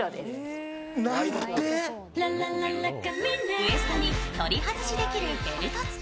ウエストに取り外しできるベルト付き。